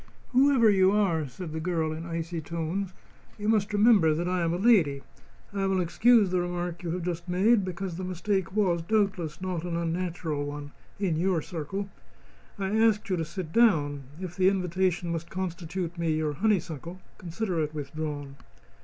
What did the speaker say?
"Whoever you are," said the girl, in icy tones, "you must remember that I am a lady. I will excuse the remark you have just made because the mistake was, doubtless, not an unnatural one in your circle. I asked you to sit down; if the invitation must constitute me your honeysuckle, consider it withdrawn."